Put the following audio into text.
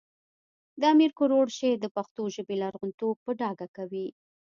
د امیر کروړ شعر د پښتو ژبې لرغونتوب په ډاګه کوي